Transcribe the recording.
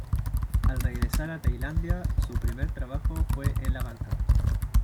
Al regresar a Tailandia, su primer trabajo fue en la Banca.